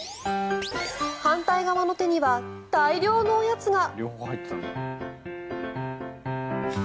反対側の手には大量のおやつが。